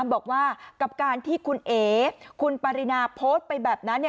บอกว่ากับการที่คุณเอ๋คุณปรินาโพสต์ไปแบบนั้น